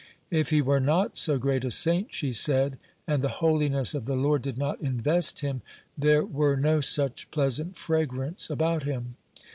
"If he were not so great a saint," she said, "and the holiness of the Lord did not invest him, there were no such pleasant fragrance about him."